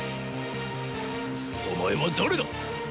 お前は誰だ？